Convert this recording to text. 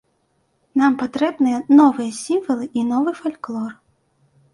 Нам патрэбныя новыя сімвалы і новы фальклор.